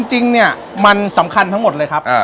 จริงเนี่ยมันสำคัญทั้งหมดเลยครับ